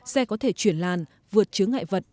xe có thể chuyển làn vượt chứa ngại vật